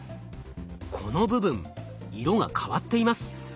この部分色が変わっています。